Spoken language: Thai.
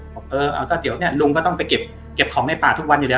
บอกเออเอาก็เดี๋ยวเนี่ยลุงก็ต้องไปเก็บของในป่าทุกวันอยู่แล้ว